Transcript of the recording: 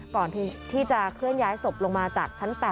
ก่อนที่จะเคลื่อนย้ายศพลงมาจากชั้น๘